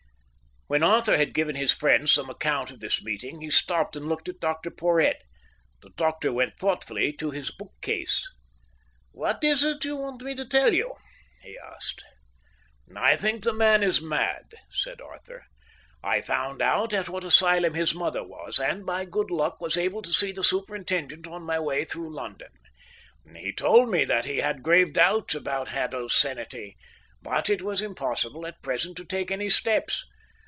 When Arthur had given his friends some account of this meeting, he stopped and looked at Dr Porhoët. The doctor went thoughtfully to his bookcase. "What is it you want me to tell you?" he asked. "I think the man is mad," said Arthur. "I found out at what asylum his mother was, and by good luck was able to see the superintendent on my way through London. He told me that he had grave doubts about Haddo's sanity, but it was impossible at present to take any steps.